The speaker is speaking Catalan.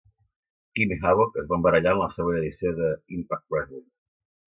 Kim i Havok es van barallar en la següent edició de "Impact Wrestling".